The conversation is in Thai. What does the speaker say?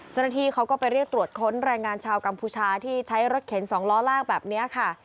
เจ้าหน้าที่เขาก็ไปเรียกตรวจค้นแรงงานชาวกัมพูชาที่ใช้รถเข็นสองล้อลากแบบนี้ค่ะ